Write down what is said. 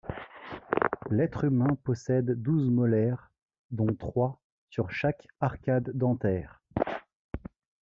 L'être humain possède douze molaires dont trois sur chaque arcade dentaire.